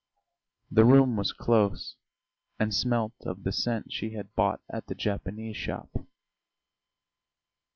The room was close and smelt of the scent she had bought at the Japanese shop.